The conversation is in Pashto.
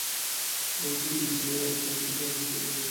اردن ډېرې طبیعي جاذبې لري.